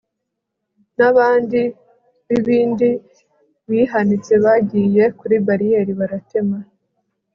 n'abandi b'ibindi bihanitse bagiye kuri barrier baratema